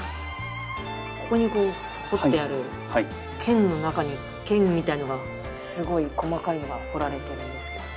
ここにこう彫ってある剣の中に剣みたいなのがすごい細かいのが彫られてるんですけど。